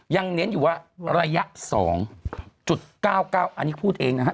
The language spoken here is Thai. เน้นอยู่ว่าระยะ๒๙๙อันนี้พูดเองนะฮะ